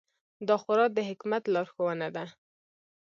دا خورا د حکمت لارښوونه ده.